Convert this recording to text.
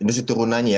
industri turunannya ya